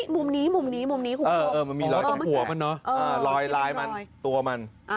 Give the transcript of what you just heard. มุมนี้มุมนี้มุมนี้มันมีรอยไลน์มันตัวมัน